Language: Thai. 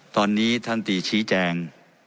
ตอนนี้ท่านตีชี้แจง